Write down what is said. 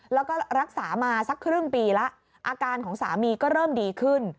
แล้วก็รักษามาสักครึ่งปีแล้วอาการของสามีก็เริ่มดีขึ้น